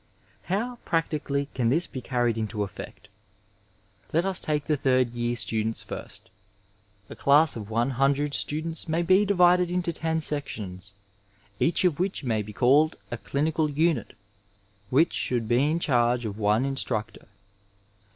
II How, practically, can this be carried into effect ! Let us take the third year students first. A class of 100 students maybe divided into ten sections, eachof which maybe called a clinical unit, which should be in charge of one instructor.